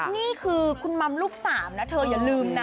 นี่คือคุณมัมลูกสามนะเธออย่าลืมนะ